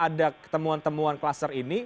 ada temuan temuan kluster ini